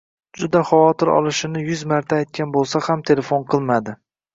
juda xavotir olishini yuz marta aytgan bo‘lsa ham telefon qilmadi.